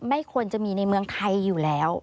ไม่ควรจะมีในเมืองไทยอยู่แล้ว